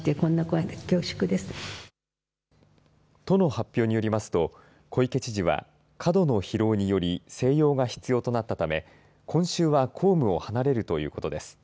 都の発表によりますと小池知事は過度の疲労により静養が必要となったため今週は公務を離れるということです。